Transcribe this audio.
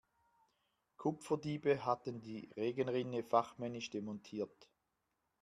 Kupferdiebe hatten die Regenrinne fachmännisch demontiert.